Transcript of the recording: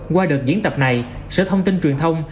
qua đợt diễn tập này sở thông tin truyền thông